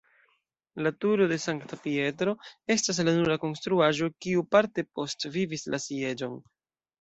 La turo de Sankta Pietro estas la nura konstruaĵo kiu parte postvivis la Sieĝon.